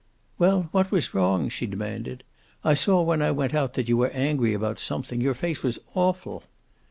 "Well, what was wrong?" she demanded. "I saw when I went out that you were angry about something. Your face was awful."